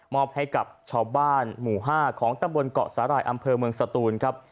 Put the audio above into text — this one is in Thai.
อบให้กับชาวบ้านหมู่๕ของตำบลเกาะสาหร่ายอำเภอเมืองสตูนครับ